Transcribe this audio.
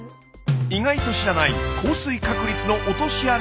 意外と知らない降水確率の落とし穴がもう一つ。